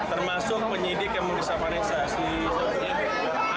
termasuk penyidik yang pemeriksa vanessa